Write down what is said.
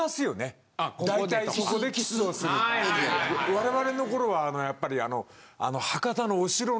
我々の頃はやっぱり。